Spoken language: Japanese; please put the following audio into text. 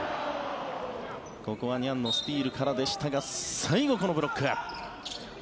ここはニャンのスチールからでしたが最後、このブロック。